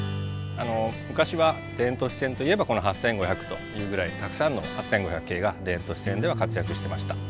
昔は田園都市線といえばこの８５００というぐらいたくさんの８５００系が田園都市線では活躍してました。